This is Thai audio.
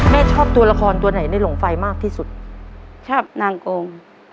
ชอบตัวละครตัวไหนในหลงไฟมากที่สุดชอบนางโกง